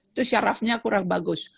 itu syarafnya kurang bagus